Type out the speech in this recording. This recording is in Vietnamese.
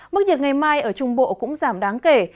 mức nhiệt ngày mai ở trung bộ cũng giảm đáng kể